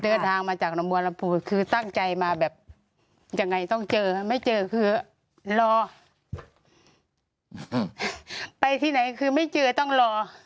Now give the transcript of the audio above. เดินทางมาจากหนองบัวลำพูคือตั้งใจมาแบบยังไงต้องเจอไม่เจอคือรอไปที่ไหนคือไม่เจอต้องรอ